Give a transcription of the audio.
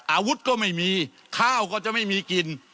อาวุธก็ไม่มีข้าวก็จะไม่มีกิน